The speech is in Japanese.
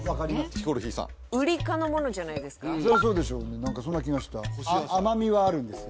ヒコロヒーさん瓜科のものじゃないですかそうでしょうね何かそんな気がした甘みはあるんですよ